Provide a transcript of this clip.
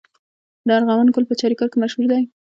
د ارغوان ګل په چاریکار کې مشهور دی.